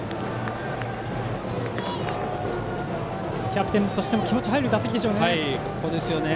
キャプテンとしても気持ちの入る打席でしょうね。